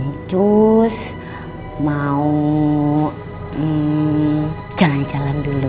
itu mau jalan jalan dulu